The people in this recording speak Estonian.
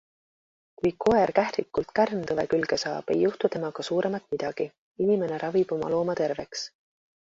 Kui koer kährikult kärntõve külge saab, ei juhtu temaga suuremat midagi - inimene ravib oma looma terveks.